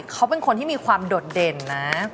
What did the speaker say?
เขาเป็นคนที่มีความโดดเด่นนะ